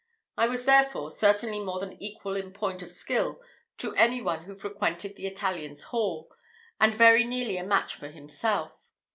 I was, therefore, certainly more than equal in point of skill to any one who frequented the Italian's hall, and very nearly a match for himself.